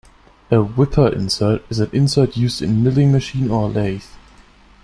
A "wiper insert" is an insert used in a milling machine or a lathe.